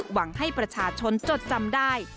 หวังให้ประชาชนจดจำได้